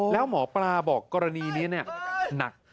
แล้วหมอปลาบอกกรณีนี้หนัก